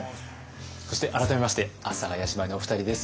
そして改めまして阿佐ヶ谷姉妹のお二人です。